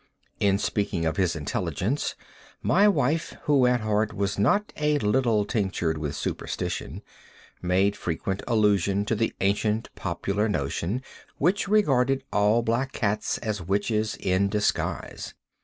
In speaking of his intelligence, my wife, who at heart was not a little tinctured with superstition, made frequent allusion to the ancient popular notion, which regarded all black cats as witches in disguise.